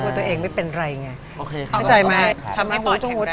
คงต้องดูตัวอีก